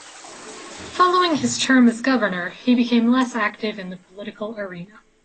Following his term as governor, he became less active in the political arena.